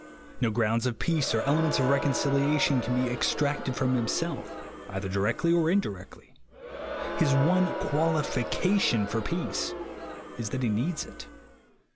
No i^ounds of peace or elements of reconciliation can Ue extracted from himself, either directly or indirectly. His one qualification for peace is, that he needs it.